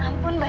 ya ampun bajak